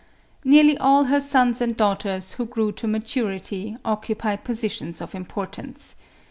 Nearly all her sons and daughters, who grew to ma turity, occupied positions of importance.